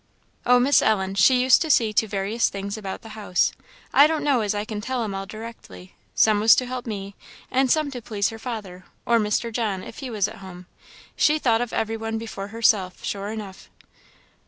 "Oh, Miss Ellen, she used to see to various things about the house I don't know as I can tell 'em all directly; some was to help me; and some to please her father, or Mr. John, if he was at home; she thought of every one before herself, sure enough."